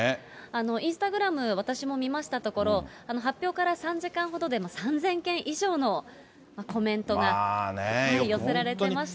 インスタグラム、私も見ましたところ、発表から３時間ほどで、３０００件以上のコメントが寄せられてました。